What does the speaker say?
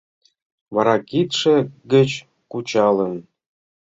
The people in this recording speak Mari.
Вара кидше гыч кучалын